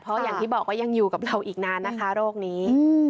เพราะอย่างที่บอกว่ายังอยู่กับเราอีกนานนะคะโรคนี้